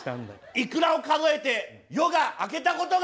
イクラを数えて夜が明けたことがあります。